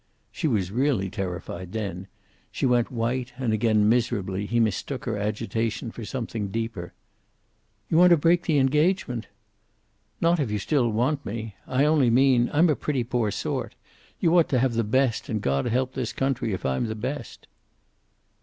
She was really terrified then. She went white and again, miserably, he mistook her agitation for something deeper. "You want to break the engagement?" "Not if you still want me. I only mean I'm a pretty poor sort. You ought to have the best, and God help this country if I'm the best."